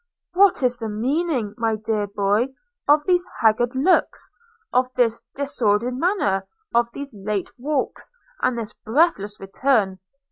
– What is the meaning, my dear boy, of these haggard looks, of this disordered manner, of these late walks, and this breathless return?